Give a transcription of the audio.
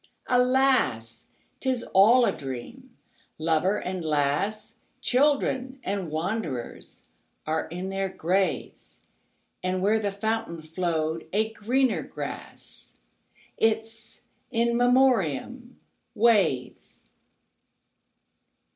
Alas! 't is all a dream. Lover and lass, Children and wanderers, are in their graves; And where the fountain flow'd a greener grass—Its In Memoriam—waves.